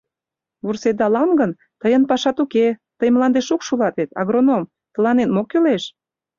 Вурседалам гын, тыйын пашат уке, тый мланде шукш улат вет... агроном... тыланет мо кӱлеш?